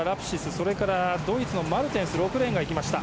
そして、ドイツのマルテンス６レーンがいきました。